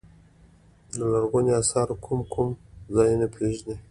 د لرغونو اثارو کوم کوم ځایونه پيژنئ.